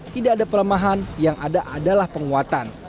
tidak ada pelemahan yang ada adalah penguatan